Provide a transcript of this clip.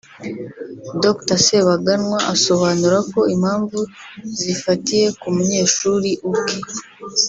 Dr Sebaganwa asobanura ko impamvu zifatiye ku munyeshuri ubwe